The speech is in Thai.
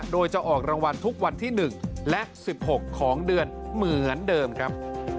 โดยจะออกรางวัลทุกวันที่๑และ๑๖ของเดือนเหมือนเดิมครับ